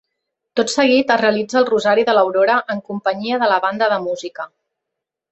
Tot seguit es realitza el Rosari de l’Aurora en companyia de la banda de música.